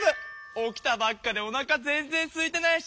起きたばっかでおなか全然すいてないし。